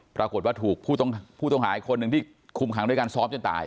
ปรากฏว่าถูกผู้ต้องหาอีกคนหนึ่งที่คุมขังด้วยการซ้อมจนตาย